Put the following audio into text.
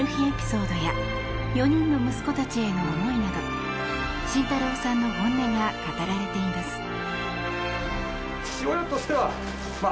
エピソードや４人の息子たちへの思いなど慎太郎さんの本音が語られています。